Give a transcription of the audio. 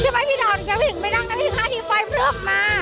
เชื่อมั้ยพี่ดาวอย่าเพียงไปนั่งนะพี่คะที่ไฟเริ่บมา